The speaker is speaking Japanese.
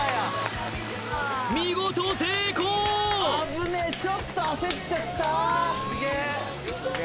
見事成功ちょっと焦っちゃったよね